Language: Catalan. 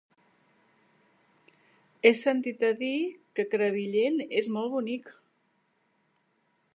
He sentit a dir que Crevillent és molt bonic.